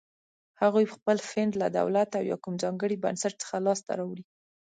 هغوی خپل فنډ له دولت او یا کوم ځانګړي بنسټ څخه لاس ته راوړي.